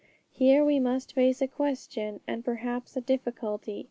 Here we must face a question, and perhaps a difficulty.